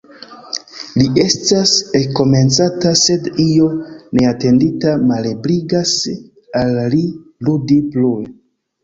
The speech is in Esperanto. Li estas ekkomencanta, sed io neatendita malebligas al li ludi plue.